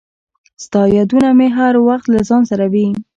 • ستا یادونه مې هر وخت له ځان سره وي.